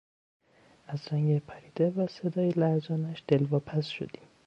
از رنگ پریده و صدای لرزانش دلواپس شدیم.